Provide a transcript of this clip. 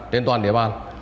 trên toàn địa bàn